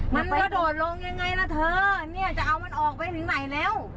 มันกระโดดลงยังไงล่ะเธอเนี่ยจะเอามันออกไปถึงไหนแล้ว